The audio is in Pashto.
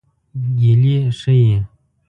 ګیلې ښيي.